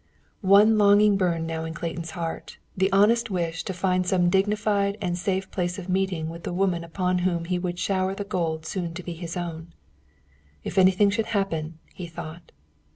One longing burned now in Clayton's heart, the honest wish to find some dignified and safe place of meeting with the woman upon whom he would shower the gold soon to be his own. "If anything should happen," he thought.